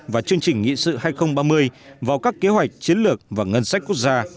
và chương trình nghị sự hai nghìn ba mươi vào các kế hoạch chiến lược và ngân sách quốc gia